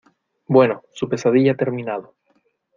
bueno, su pesadilla ha terminado